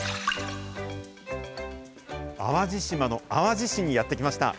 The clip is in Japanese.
淡路島の淡路市にやって来ました。